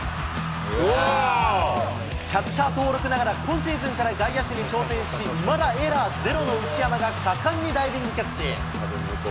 キャッチャー登録ながら、今シーズンから外野手に挑戦し、いまだエラーゼロの内山が果敢にダイビングキャッチ。